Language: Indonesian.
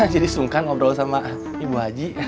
jadi sungkan ngobrol sama ibu haji